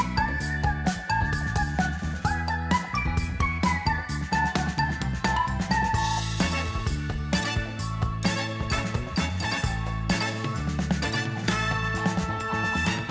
พระเจ้าถึงขออนุญาตที่ร่วมรักในที่สุรี